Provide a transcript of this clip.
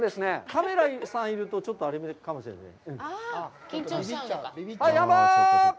カメラさんがいると、ちょっとあれかもしれない。